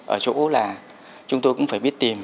ở chỗ là chúng tôi cũng phải biết tìm